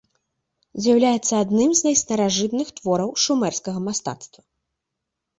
З'яўляецца адным з найстаражытных твораў шумерскага мастацтва.